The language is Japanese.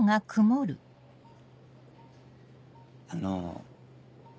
あの。